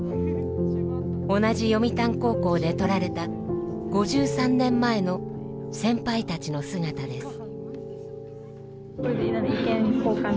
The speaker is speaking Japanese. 同じ読谷高校で撮られた５３年前の先輩たちの姿です。